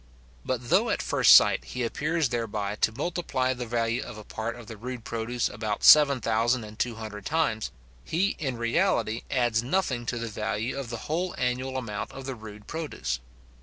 But though, at first sight, he appears thereby to multiply the value of a part of the rude produce about seven thousand and two hundred times, he in reality adds nothing to the value of the whole annual amount of the rude produce.